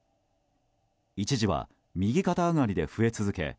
一時は右肩上がりで増え続け